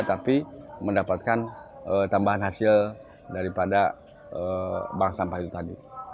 tapi mendapatkan tambahan hasil daripada bank sampah itu tadi